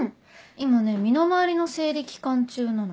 今ね身の回りの整理期間中なの。